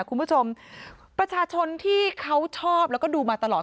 คุณผู้ชมประชาชนที่เขาชอบแล้วก็ดูมาตลอด